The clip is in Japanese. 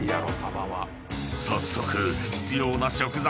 ［早速］